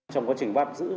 trong quá trình bắt giữ